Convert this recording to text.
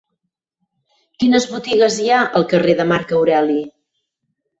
Quines botigues hi ha al carrer de Marc Aureli?